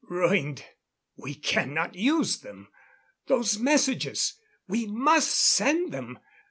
"Ruined. We cannot use them. Those messages we must send them.